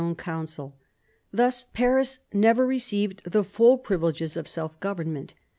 own council. Thus Paris never received the full privileges of self govern ment.